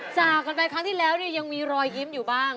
จากกันไปครั้งที่แล้วเนี่ยยังมีรอยยิ้มอยู่บ้าง